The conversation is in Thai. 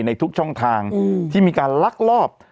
ในทุกช่องทางที่มีการลักลอบ